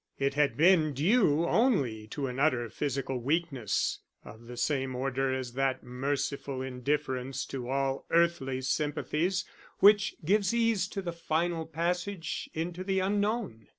It had been due only to an utter physical weakness, of the same order as that merciful indifference to all earthly sympathies which gives ease to the final passage into the Unknown.